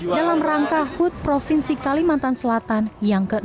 dalam rangka hood provinsi kalimantan selatan yang ke enam puluh tujuh